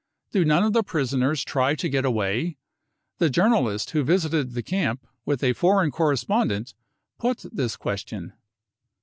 Do none of the prisoners try to get away ? The journalist who visited the camp with a foreign correspondent put this question.